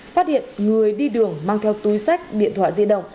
phát hiện người đi đường mang theo túi sách điện thoại di động